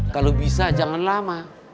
kalau bisa jangan lama